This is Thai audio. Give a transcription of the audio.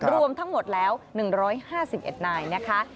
รวมทั้งหมดแล้ว๑๕๑นายนะคะ